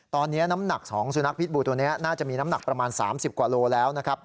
ตอนนี้น้ำหนักของสุนัขพิษบูตัวนี้น่าจะมีน้ำหนักประมาณ๓๐กว่าโลแล้วนะครับ